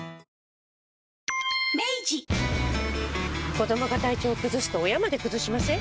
子どもが体調崩すと親まで崩しません？